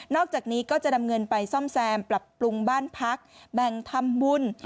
อกจากนี้ก็จะนำเงินไปซ่อมแซมปรับปรุงบ้านพักแบ่งทำบุญ